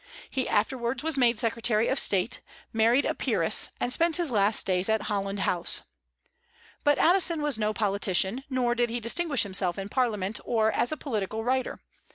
He afterwards was made secretary of state, married a peeress, and spent his last days at Holland House. But Addison was no politician; nor did he distinguish himself in Parliament or as a political writer.